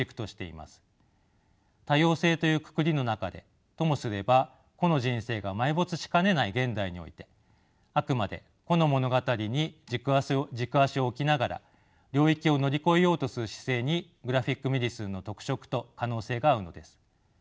多様性というくくりの中でともすれば個の人生が埋没しかねない現代においてあくまで個の物語に軸足を置きながら領域を乗り越えようとする姿勢にグラフィック・メディスンの特色と可能性があるのです。